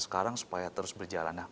sekarang supaya terus berjalan